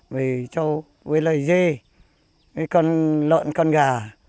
với lợi dê với con lợn con gà